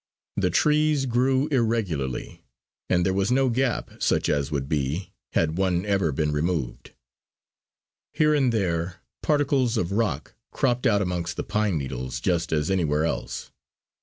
The trees grew irregularly, and there was no gap such as would be, had one ever been removed. Here and there particles of rock cropped out amongst the pine needles just as anywhere else.